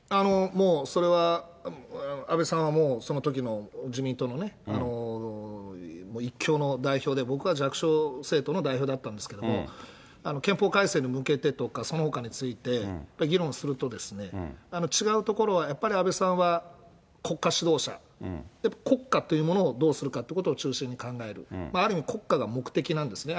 もうそれは、安倍さんはもう、そのときの自民党のね、一強の代表で、僕は弱小政党の代表だったんですけども、憲法改正に向けてとか、そのほかについて、やっぱり議論すると、違うところはやっぱり安倍さんは国家主導者、国家というものをどうするかっていうことを中心に考える、ある意味国家が目的なんですね。